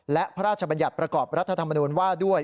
และพระราชบัญญัติประกอบรัฐธรรมนูญว่าด้วย